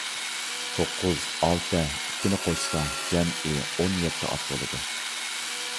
توققۇز، ئالتە، ئىككىنى قوشسا جەمئىي ئون يەتتە ئات بولىدۇ.